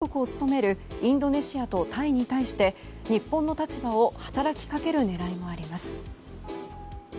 特に、今年や来年の国際会議で議長国を務めるインドネシアとタイに対して日本の立場を働きかける狙いもあります。